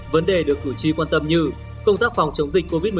vấn đề được cử tri quan tâm như công tác phòng chống dịch covid một mươi